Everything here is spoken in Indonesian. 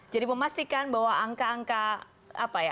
jadi memastikan bahwa angka angka apa ya